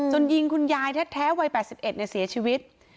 ยิงคุณยายแท้วัย๘๑เสียชีวิต